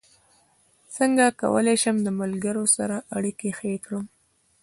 څنګه کولی شم د ملګرو سره اړیکې ښې کړم